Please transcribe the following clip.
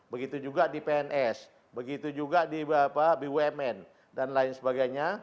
begitu juga di pns begitu juga di bumn dan lain sebagainya